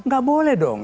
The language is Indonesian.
gak boleh dong